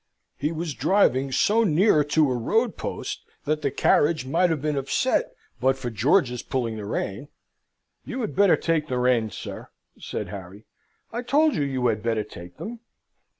He was driving so near to a road post that the carriage might have been upset but for George's pulling the rein. "You had better take the reins, sir," said Harry. "I told you you had better take them."